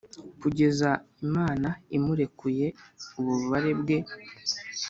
kugeza imana imurekuye ububabare bwe;